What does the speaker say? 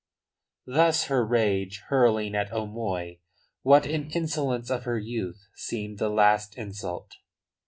Thus her rage, hurling at O'Moy what in the insolence of her youth seemed the last insult.